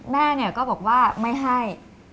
แม่ก็บอกว่าไม่ให้